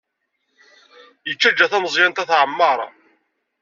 Yettajja tameẓyant-a tɛemmeṛ.